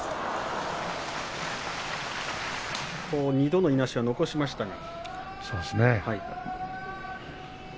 ２度のいなしは残しましたが。